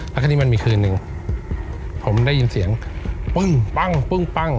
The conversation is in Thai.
แล้วคราวนี้มันมีคืนหนึ่งผมได้ยินเสียงปึ้งปั้งปึ้งปั้ง